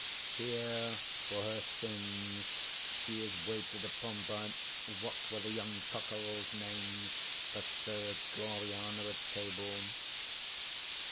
Here for her sins she is waited upon by What were the young cockerelsŌĆÖ names that served Gloriana at table?